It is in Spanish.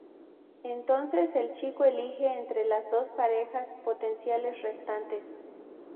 Entonces el chico elige entre las dos parejas potenciales restantes.